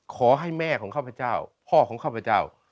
ขอให้แม่ของข้าพเจ้าพ่อของข้าพเจ้า